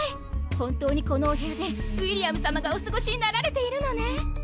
本当にこのお部屋でウィリアム様がお過ごしになられているのね。